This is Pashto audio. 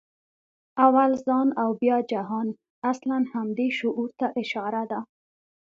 «اول ځان او بیا جهان» اصلاً همدې شعور ته اشاره ده.